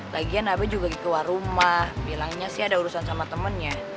lagian abe juga gitu warumah bilangnya sih ada urusan sama temennya